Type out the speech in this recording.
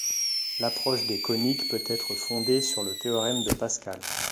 L'approche des coniques peut être fondée sur le théorème de Pascal.